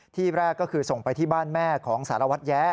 ที่แรกก็คือส่งไปที่บ้านแม่ของสารวัตรแย้